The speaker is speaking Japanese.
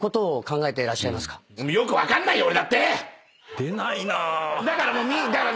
出ないな。